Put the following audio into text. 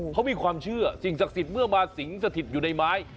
เขามีความเชื่อสิ่งศักดิ์สิทธิ์เมื่อมาสิงสถิตอยู่ในไม้